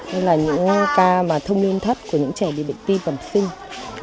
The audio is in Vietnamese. hay là những ca thông niên thất của những trẻ bị bệnh tim phẩm sinh